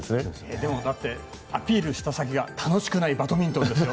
でも、アピールした先が楽しくないバドミントンですよ。